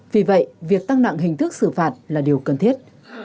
vì vậy việc tăng nặng hình thức xử phạt là điều cần thiết